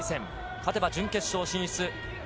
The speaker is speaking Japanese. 勝てば準決勝進出。